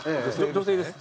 女性です。